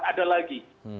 kan ada lagi